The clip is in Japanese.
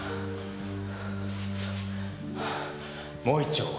もう一丁！